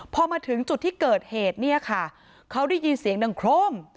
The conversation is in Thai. พอมาถึงจุดที่เกิดเหตุเนี่ยค่ะเขาได้ยินเสียงดังโครม